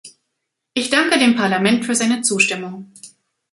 Ich danke dem Parlament für seine Zustimmung.